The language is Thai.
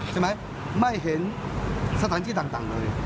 ใช่ไหมไม่เห็นสถานที่ต่างเลย